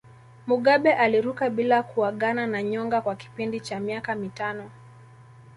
Mugabe aliruka bila kuagana na nyonga kwa kipindi cha miaka mitano